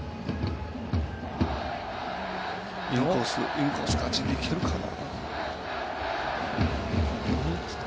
インコースなんて、いけるかな。